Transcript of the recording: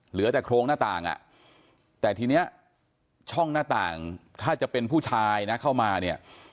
เหลือแต่โครงหน้าต่างอ่ะแต่ทีนี้ช่องหน้าต่างถ้าจะเป็นผู้ชายนะเข้ามาเนี่ย